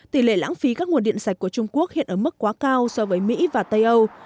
tỷ lệ lãng phí các nguồn điện sạch của trung quốc hiện ở mức quá cao so với mỹ và tây âu